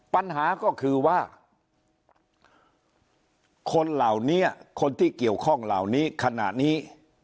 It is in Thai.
ปัญหาก็คือว่าคนเหล่านี้คนที่เกี่ยวข้องเหล่านี้ขณะนี้